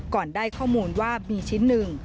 ก่อนได้ข้อมูลว่ามีชิ้นหนึ่ง